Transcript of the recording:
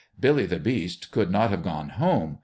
Billy the Beast could not have " gone home."